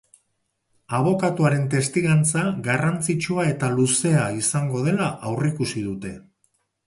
Abokatuaren testigantza garrantzitsua eta luzea izango dela aurreikusi dute.